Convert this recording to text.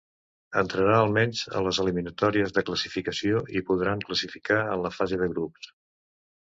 Entrarà almenys a les eliminatòries de classificació, i podran classificar en la fase de grups.